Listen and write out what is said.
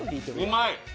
うまい！